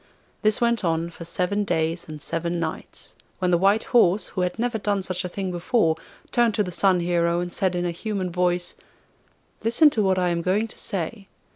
This went on for seven days and nights, when the white horse, who had never done such a thing before, turned to the Sun Hero and said in a human voice: 'Listen to what I am going to say.